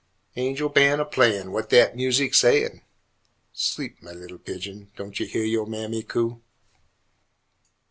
Angel ban' a playin' Whut dat music sayin'? "Sleep, mah li'l pigeon, don' yo' heah yo' mammy coo?"